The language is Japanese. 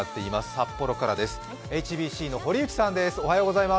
札幌からです。